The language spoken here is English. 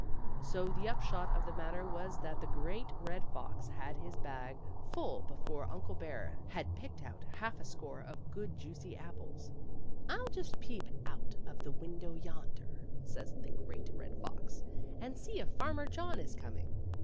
So the upshot of the matter was that the Great Red Fox had his bag full before Uncle Bear had picked out half a score of good juicy apples. " ril just peep out of the window yonder," says the Great Red Fox, "and see if Farmer John is coming."